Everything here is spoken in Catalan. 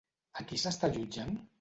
A qui s'està jutjant?